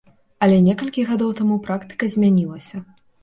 Але некалькі гадоў таму практыка змянілася.